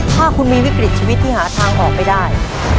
ถ้าคุณมีวิกฤตชีวิตที่หาทางออกไม่ได้